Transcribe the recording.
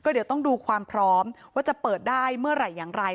เดี๋ยวต้องดูความพร้อมว่าจะเปิดได้เมื่อไหร่อย่างไร